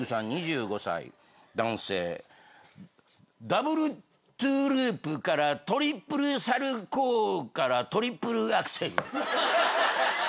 ダブルトゥループからトリプルサルコウからトリプルアクセル。